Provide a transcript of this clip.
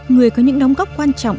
người có những đóng góc quan trọng